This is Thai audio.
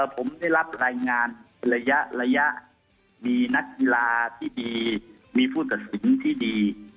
ผมได้รับรายงานระยะมีนักกีฬาที่ดีมีผู้ตัดสินที่ดี